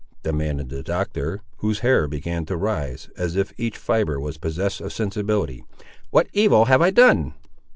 demanded the Doctor, whose hair began to rise, as if each fibre was possessed of sensibility; "what evil have I done?"